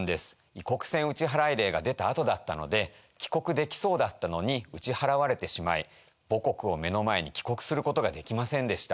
異国船打払令が出たあとだったので帰国できそうだったのに打ち払われてしまい母国を目の前に帰国することができませんでした。